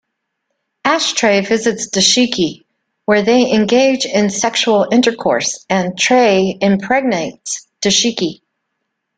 Ashtray visits Dashiki where they engage in sexual intercourse and Tray impregnates Dashiki.